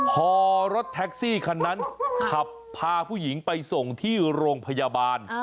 พอรถแท็กซี่คันนั้นขับพาผู้หญิงไปส่งที่โรงพยาบาล